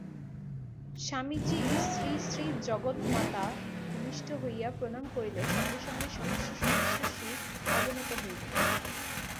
স্বামীজী শ্রীশ্রীজগন্মাতাকে ভূমিষ্ঠ হইয়া প্রণাম করিলে সঙ্গে সঙ্গে সহস্র সহস্র শির অবনত হইল।